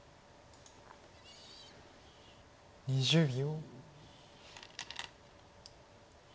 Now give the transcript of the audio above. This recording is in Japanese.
２０秒。